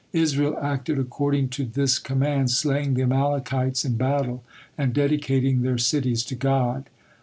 Israel acted according to this command, slaying the Amalekites in battle, and dedicating their cities to God.